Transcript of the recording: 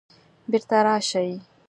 بیرته راشئ